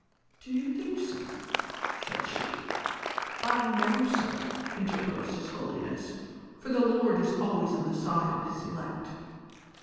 "■ Do you think so V " said she. "I know so," interposed his holiness, "for the Lord is always on the side of His elect."